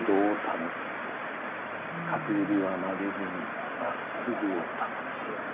各指は曲げずに真っ直ぐを保つ。